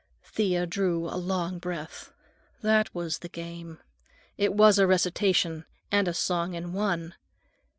Thea drew a long breath. That was the game; it was a recitation and a song in one.